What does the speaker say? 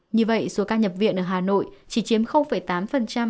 như vậy số các nhập viện ở hà nội chỉ chiếm ca